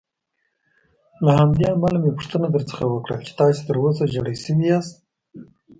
له همدې امله مې پوښتنه درڅخه وکړل چې تاسې تراوسه ژېړی شوي یاست.